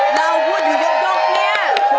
เราพูดอยู่ยกเนี่ย